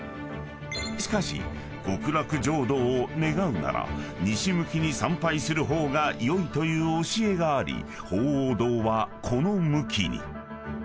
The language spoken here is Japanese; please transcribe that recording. ［しかし極楽浄土を願うなら西向きに参拝する方がよいという教えがあり鳳凰堂はこの向きに］